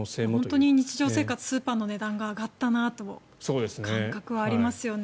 本当に日常生活スーパーの値段が上がったなという感覚がありますよね。